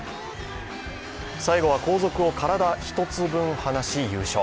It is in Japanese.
最後は後続を体１つ分離し優勝。